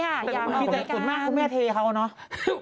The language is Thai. อยากมารายการสุดมากคุณแม่เทเขาเนอะ